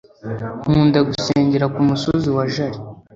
Nkunda gusengera ku musozi wa jari